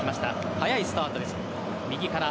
早いスタートです。